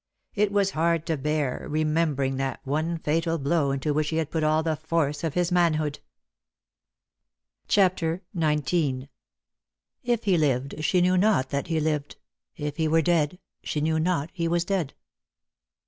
It was hard to bear, remembering that one fatal blow into which he had put all the force of bis manhood. CHAPTER XIX. " If he lived, She knew not that he lived ; if he were dead, She knew not he was dead."